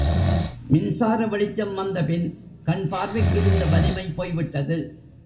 மின்சார வெளிச்சம் வந்த பின் கண் பார்வைக்கிருந்த வலிமை போய்விட்டது.